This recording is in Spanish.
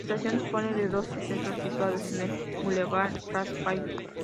La estación dispone de dos accesos situados en el bulevar Raspail.